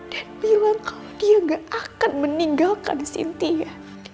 dan bilang kalau dia gak akan meninggalkan sintia